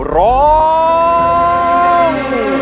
ร้อง